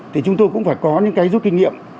thì chúng tôi cũng phải có những cái rút kinh nghiệm